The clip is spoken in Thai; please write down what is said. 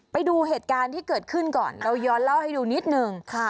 ไปดูเหตุการณ์ที่เกิดขึ้นก่อนเราย้อนเล่าให้ดูนิดนึง